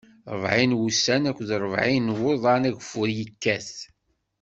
Ṛebɛin n wussan akked ṛebɛin n wuḍan, ageffur ikkat.